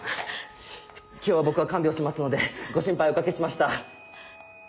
今日は僕が看病しますのでご心配お掛けしました。